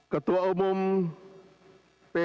ketua umum pbi